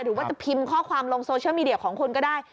หรือว่าจะพิมพ์ข้อความลงโซเชียลมีเดียของคุณก็ได้